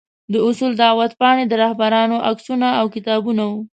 د اصول دعوت پاڼې، د رهبرانو عکسونه او کتابونه وو.